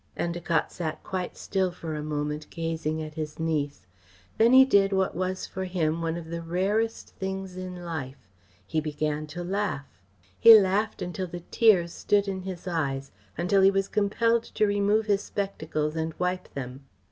Endacott sat quite still for a moment, gazing at his niece. Then he did what was for him one of the rarest things in life: he began to laugh. He laughed until the tears stood in his eyes, until he was compelled to remove his spectacles and wipe them.